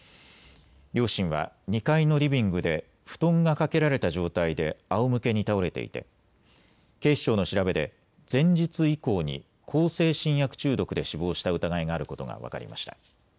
両親は２階のリビングで布団がかけられた状態であおむけに倒れていて、警視庁の調べで前日以降に向精神薬中毒で死亡した疑いがあることが分かりました。